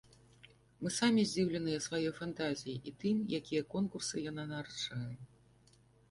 Мы самі здзіўленыя сваёй фантазіяй і тым, якія конкурсы яна нараджае.